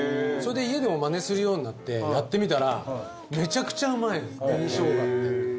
それで家でもマネするようになってやってみたらめちゃくちゃうまいの紅しょうがって。